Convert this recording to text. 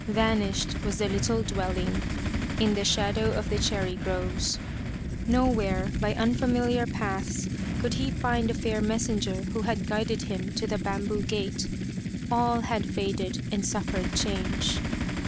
Vanished was the little dwelling in the shadow of the cherry groves. Nowhere by unfamiliar paths could he find the fair messenger who had guided him to the bamboo gate. All had faded and suffered change.